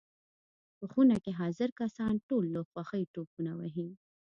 په خونه کې حاضر کسان ټول له خوښۍ ټوپونه وهي.